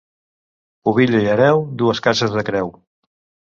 Pubilla i hereu, dues cases de creu.